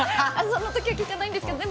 その時は聞いてないですけど。